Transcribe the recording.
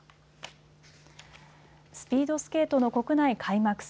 スピードスケートの国内開幕戦。